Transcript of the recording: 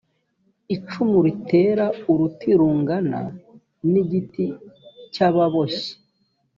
icumu ritera uruti rungana n igiti cy ababoshyi